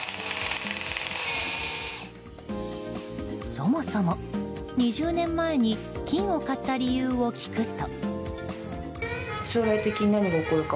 そもそも、２０年前に金を買った理由を聞くと。